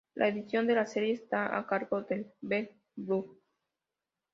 La edición de la serie está a cargo de Ben Drury.